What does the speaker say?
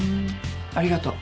ありがとう。